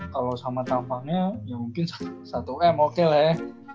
kalau sama tampangnya ya mungkin satu m oke lah ya